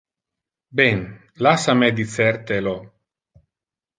Ben, lassa me dicer te lo.